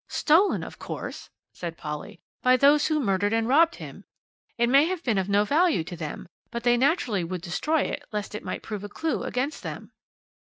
"Stolen, of course," said Polly, "by those who murdered and robbed him; it may have been of no value to them, but they naturally would destroy it, lest it might prove a clue against them."